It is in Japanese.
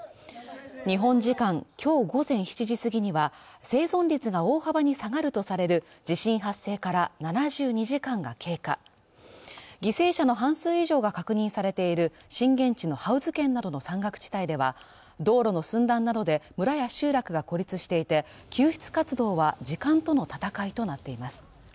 日本時間今日午前７時過ぎには生存率が大幅に下がるとされる地震発生から７２時間が経過犠牲者の半数以上が確認されている震源地のハウズ県などの山岳地帯では道路の寸断などで村や集落が孤立していて救出活動は時間との戦いとなっています